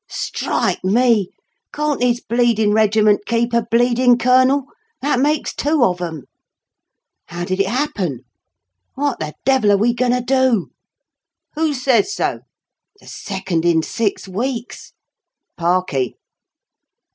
"Strike me! Cawn't this bleedin' regiment keep a bleedin' Colonel ? That makes two of them!" "How did it happen?" "What the devil are we goin' to do?" "Who says so?" "The second in six weeks!" "Parkie."